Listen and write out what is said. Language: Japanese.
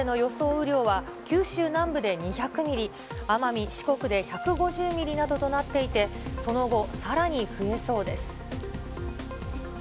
雨量は九州南部で２００ミリ、奄美、四国で１５０ミリなどとなっていて、その後、さらに増えそうです。